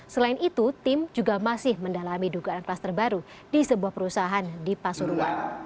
selain itu tim juga masih mendalami dugaan klaster baru di sebuah perusahaan di pasuruan